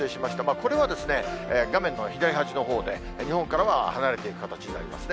これは画面の左端のほうで、日本からは離れていく形になりますね。